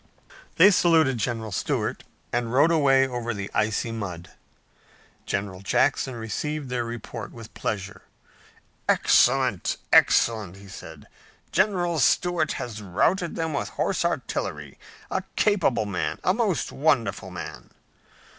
They saluted General Stuart, and rode away over the icy mud. General Jackson received their report with pleasure. "Excellent! Excellent!" he said. "General Stuart has routed them with horse artillery! A capable man! A most wonderful man!"